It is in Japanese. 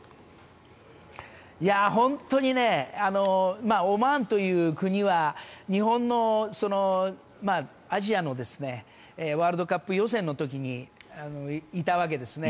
本当にオマーンという国は日本のアジアのワールドカップ予選の時にいたわけですね。